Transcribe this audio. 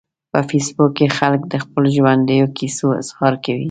په فېسبوک کې خلک د خپلو ژوندیو کیسو اظهار کوي